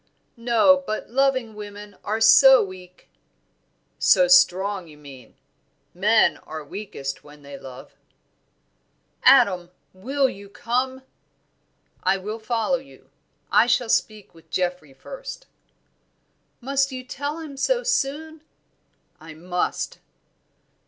"No; but loving women are so weak." "So strong, you mean; men are weakest when they love." "Adam, will you come?" "I will follow you; I shall speak with Geoffrey first." "Must you tell him so soon?" "I must."